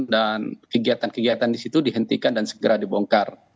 dan kegiatan kegiatan di situ dihentikan dan segera dibongkar